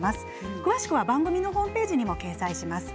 詳しくは番組のホームページに掲載します。